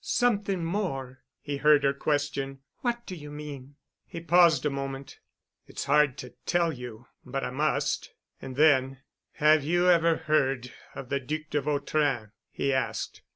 "Something more?" he heard her question. "What do you mean?" He paused a moment. "It's hard to tell you—but I must." And then, "Have you ever heard of the Duc de Vautrin?" he asked.